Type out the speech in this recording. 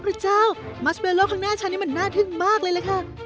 พระเจ้ามัสเบอร์โลข้างหน้าฉันนี่มันน่าทึ่งมากเลยแหละค่ะ